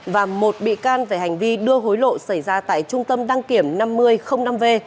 và một bị can về hành vi đưa hối lộ xảy ra tại trung tâm đăng kiểm năm mươi năm v